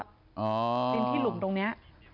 ดินที่หลุมตรงนี้